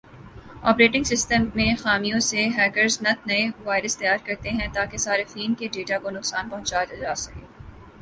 operating system میں خامیوں سے ہیکرز نت نئے وائرس تیار کرتے ہیں تاکہ صارفین کے ڈیٹا کو نقصان پہنچایا جاسکے